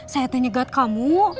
saya tanya ke at kamu